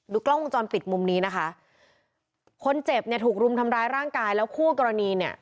กล้องวงจรปิดมุมนี้นะคะคนเจ็บเนี่ยถูกรุมทำร้ายร่างกายแล้วคู่กรณีเนี่ย